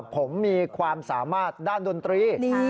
ผมมีความสามารถด้านดนตรี